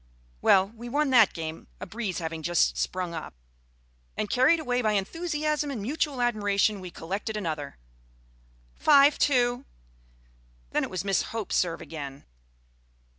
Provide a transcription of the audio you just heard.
Well, we won that game, a breeze having just sprung up; and, carried away by enthusiasm and mutual admiration, we collected another. (Five, two.) Then it was Miss Hope's serve again.